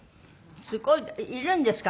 すごい。いるんですか？